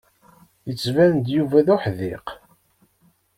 Yettban-d Yuba d uḥdiq.